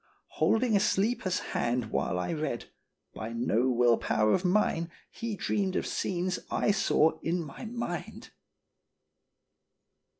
Holding a sleeper's hand while I read, by no will power of mine he dreamed of scenes I saw in my mind."